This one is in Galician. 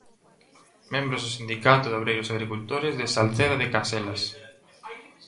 Membros do Sindicato de Obreiros Agricultores de Salceda de Caselas.